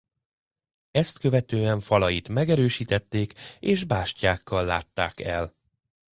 Ezt követően falait megerősítették és bástyákkal látták el.